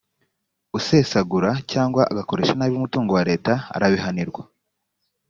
usesagura cyangwa agakoresha nabi umutungo wa leta arabihanirwa